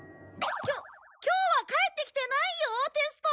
きょ今日は返ってきてないよテスト。